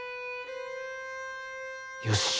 よし。